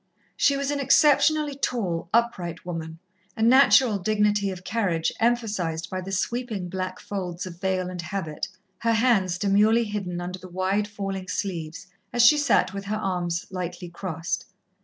She was an exceptionally tall, upright woman, a natural dignity of carriage emphasized by the sweeping black folds of veil and habit, her hands demurely hidden under the wide falling sleeves as she sat with arms lightly crossed.